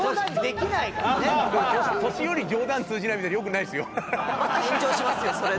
「年寄り冗談通じない」みたいなの良くないですよ。